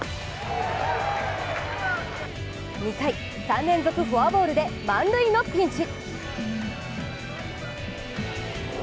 ２回、３連続フォアボールで満塁のピンチ。